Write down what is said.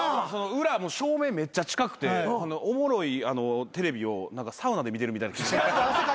裏照明めっちゃ近くておもろいテレビをサウナで見てるみたいな。